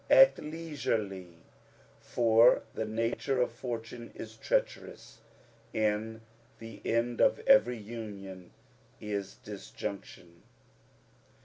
Act leisurely; for the nature of fortune is treacherous, and the end of every union is disjunction.